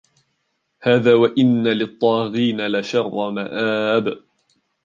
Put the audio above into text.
هذا وَإِنَّ لِلطّاغينَ لَشَرَّ مَآبٍ